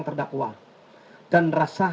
terdakwa dan rasa